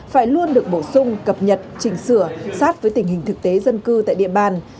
phải luôn được bổ sung cập nhật chỉnh sửa sát với tình hình thực tế dân cư tại địa bàn